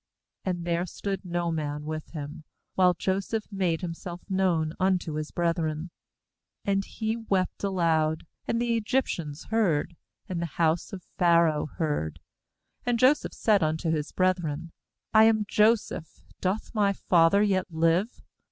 7 And there stood no man with him, while Joseph made himself known unto his brethren. 2And he wept aloud; and the Egyptians heard, and the house of Pharaoh heard. 3And Joseph said unto his brethren: 'lam Joseph; doth my father yet live?'